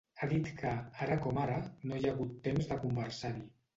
Ha dit que, ara com ara, no hi ha hagut temps de conversar-hi.